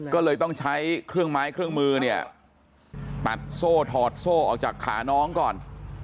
ก็เลยต้องใช้เครื่องไม้เครื่องมือเนี่ยตัดโซ่ถอดโซ่ออกจากขาน้องก่อน